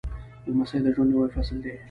لمسی د ژوند نوی فصل دی.